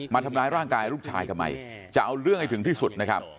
มาทำร้ายร่างกายลูกชายทำไมจะเอาเรื่องให้ถึงที่สุดนะครับ